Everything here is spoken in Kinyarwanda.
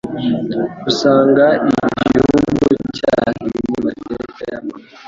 Usanga igihugu cyatamye, Mateka ya Mahame